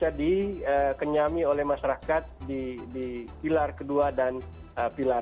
kami juga bativany mencapsenakan ini dan saya kira dealing sorenya